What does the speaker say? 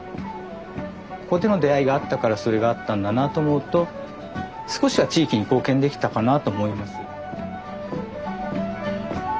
ここでの出会いがあったからそれがあったんだなと思うと少しは地域に貢献できたかなあと思います。